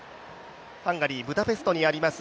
ハンガリー・ブダペストにあります